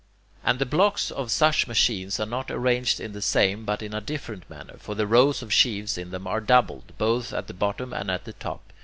And the blocks in such machines are not arranged in the same, but in a different manner; for the rows of sheaves in them are doubled, both at the bottom and at the top.